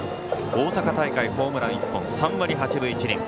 大阪大会ホームラン１本３割８分１厘。